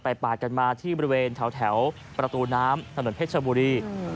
ปาดกันมาที่บริเวณแถวประตูน้ำถนนเพชรชบุรี